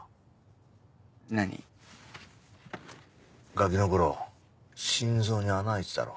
ガキの頃心臓に穴開いてたろ。